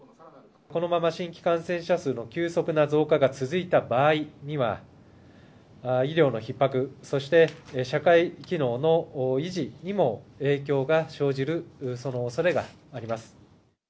このまま新規感染者数の急速な増加が続いた場合には、医療のひっ迫、そして社会機能の維持にも、影響が生じるそのおそれがあります。